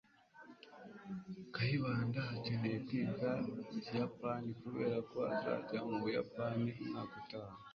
Kayibanda akeneye kwiga Ikiyapani, kubera ko azajya mu Buyapani umwaka utaha.